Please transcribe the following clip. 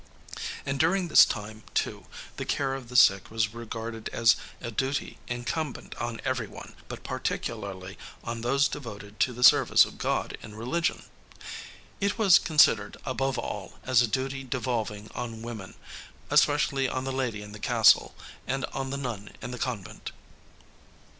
And during this time, too, the care of the sick was regarded as a duty incumbent on everyone, but particularly on those devoted to the service of God in religion. It was considered, above all, as a duty devolving on women, especially on the lady in the castle and on the nun in the convent.